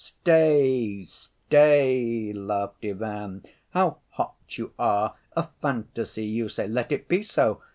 "Stay, stay," laughed Ivan, "how hot you are! A fantasy you say, let it be so!